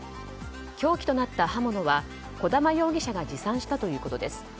凶器となった刃物は児玉容疑者が持参したということです。